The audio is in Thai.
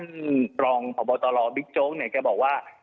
ก็คือตรงพปโตรฮบิ๊กโจ๊กแกบอกว่า